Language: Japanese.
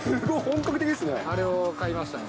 あれを買いましたね。